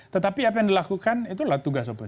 tetapi apa yang dilakukan itulah tugas open